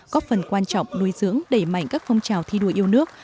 góp phần quan trọng nuôi dưỡng đẩy mạnh các phong trào thi đua yêu nước